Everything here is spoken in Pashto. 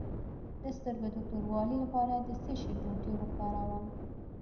د سترګو د توروالي لپاره د څه شي ټوټې وکاروم؟